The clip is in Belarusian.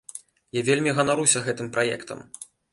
Я вельмі ганаруся гэтым праектам.